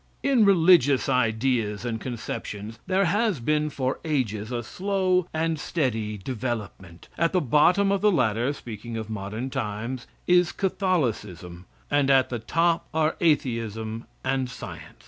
In religious ideas and conceptions there has been for ages a slow and steady development. At the bottom of the ladder (speaking of modern times) is Catholicism, and at the top are atheism and science.